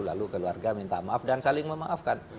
lalu keluarga minta maaf dan saling memaafkan